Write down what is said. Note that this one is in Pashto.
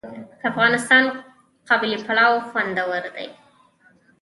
د افغانستان قابلي پلاو خوندور دی